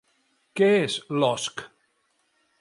Què és l'osc?